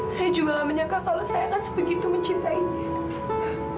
saya juga gak menyangka kalau saya akan sebegitu mencintainya